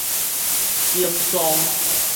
整裝